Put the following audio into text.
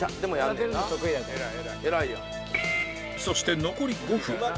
そして残り５分